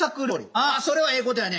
ああそれはええことやね。